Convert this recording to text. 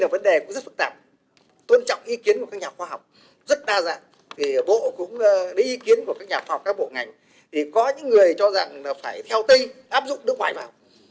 bộ cũng lấy ý kiến của các nhà phòng các bộ ngành thì có những người cho rằng là phải theo tây áp dụng nước ngoài vào